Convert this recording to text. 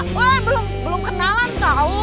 belum kenalan tahu